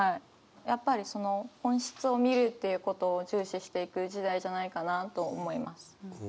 やっぱりその本質を見るっていうことを重視していく時代じゃないかなと思います。